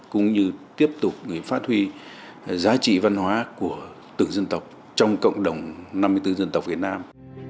cũng như tiếp tục phát huy giá trị văn hóa của từng dân tộc trong cộng đồng năm mươi bốn dân tộc việt nam